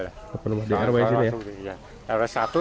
delapan rumah di rw ini ya